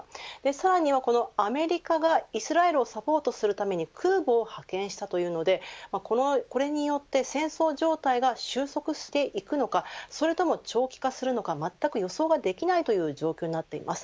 さらにはこのアメリカがイスラエルをサポートするために空母を派遣したというのでこれによって戦争状態が収束していくのかそれとも長期化するのかまったく予想ができないという状況になっています。